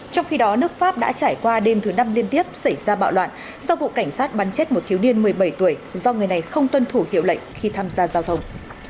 trong khi đó nước pháp đã trải qua đêm thứ năm liên tiếp xảy ra bạo loạn sau vụ cảnh sát bắn chết một thiếu niên một mươi bảy tuổi do người này không tuân thủ hiệu lệnh khi tham gia giao thông